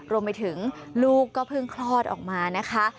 รวมไปถึงลูกก็เพิ่งคลอดออกมานะคะ